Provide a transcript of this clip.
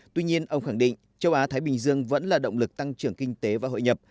tuy nhiên ông khẳng định châu á thái bình dương vẫn là động lực tăng trưởng kinh tế và hội nhập